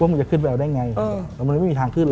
มันจะขึ้นไปเอาได้ไงแต่มันไม่มีทางขึ้นเลย